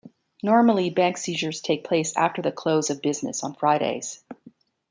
Normally, bank seizures take place after the close of business on Fridays.